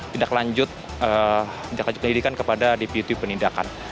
tindak lanjut penyelidikan kepada dptu penindakan